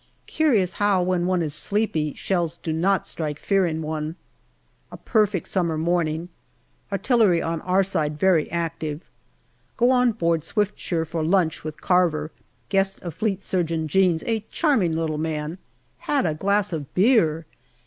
Curious how, when one is sleepy, shells do not strike fear in one. A perfect summer morning. Artillery on our side very active. Go on board Swiftsure for lunch with Carver. Guest of Fleet Surgeon Jeans, a charming little man. Had a glass of beer